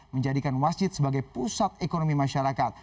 menjadikan masjid sebagai pusat ekonomi masyarakat